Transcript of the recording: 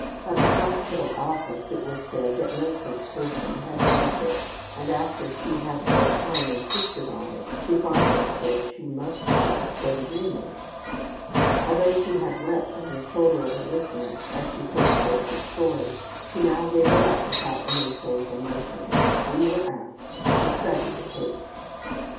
At the hospital office it was said that no such person had died there, and after she had for a time insisted on it she finally said she must have been dreaming. Although she had wept on the shoulder of a listener as she first told her story, she now gave it up without any show of emotion. We were asked to study the case.